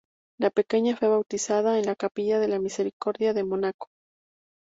La pequeña fue bautizada en la Capilla de la misericordia de Mónaco.